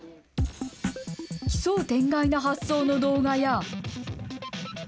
奇想天外な発想の動画や。